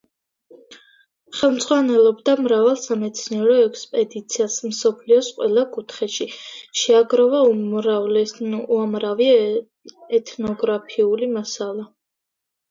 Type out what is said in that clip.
ხელმძღვანელობდა მრავალ სამეცნიერო ექსპედიციას მსოფლიოს ყველა კუთხეში, შეაგროვა უამრავი ეთნოგრაფიული მასალა.